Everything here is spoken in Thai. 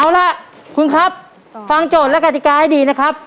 เอาล่ะคุณครับฟังโจทย์และกติกาให้ดีนะครับ